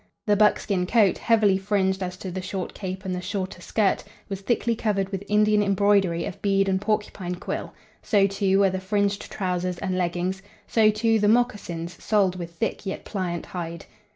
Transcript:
The buckskin coat, heavily fringed as to the short cape and the shorter skirt, was thickly covered with Indian embroidery of bead and porcupine quill; so, too, were the fringed trousers and leggings; so, too, the moccasins, soled with thick, yet pliant hide.